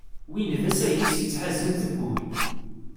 Win d asayes yettḥazen deg wul.